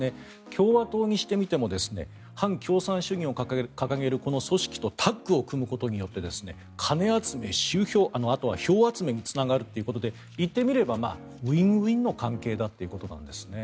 共和党にしてみても反共産主義を掲げるこの組織とタッグを組むことによって金集め、あとは票集めにつながるということで言ってみればウィンウィンの関係だということですね。